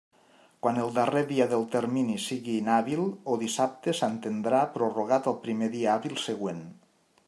Quan el darrer dia del termini sigui inhàbil o dissabte s'entendrà prorrogat al primer dia hàbil següent.